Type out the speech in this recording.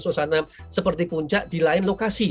suasana seperti puncak di lain lokasi